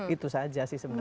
itu saja sih sebenarnya